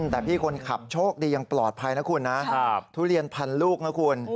แต่พี่คนขับโชคดียังปลอดภัยนะคุณนะทุเรียนพันลูกนะคุณ